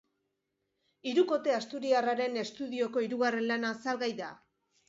Hirukote asturiarraren estudioko hirugarren lana salgai da.